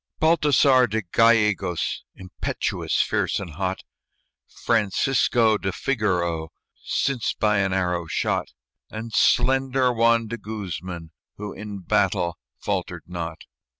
Baltasar de Gallegos, Impetuous, fierce and hot; Francisco de Figarro, Since by an arrow shot; And slender Juan de Guzman, who In battle faltered not.